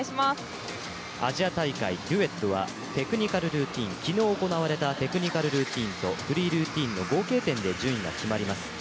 アジア大会デュエットは昨日行われたテクニカルルーティンとフリールーティンの合計点で順位が決まります。